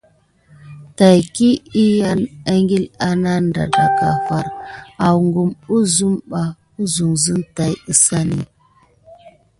Taki ekile anada dak far wuyani akum ezane ba kusuh zene.